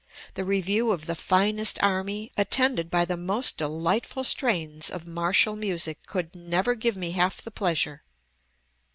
The review of the finest army, attended by the most delightful strains of martial music, could never give me half the pleasure."